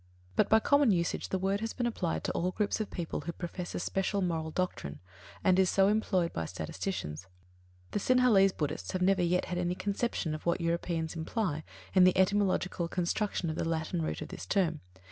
But, by common usage the word has been applied to all groups of people who profess a special moral doctrine, and is so employed by statisticians. The Sinhalese Buddhists have never yet had any conception of what Europeans imply in the etymological construction of the Latin root of this term.